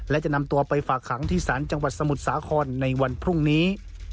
และจะนำตัวไปฝากขังที่ศาลจังหวัดสมุทรสาครในวันพรุ่งนี้